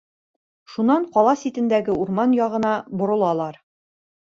Шунан ҡала ситендәге урман яғына боролалар.